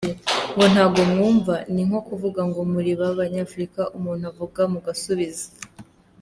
Ngo ntabwo mwumva, ni nko kuvuga ngo muri ba banyafurika umuntu avuga mugasubiza.